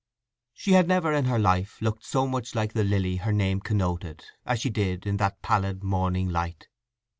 She had never in her life looked so much like the lily her name connoted as she did in that pallid morning light.